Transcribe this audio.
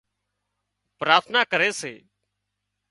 پراٿنا ڪري سي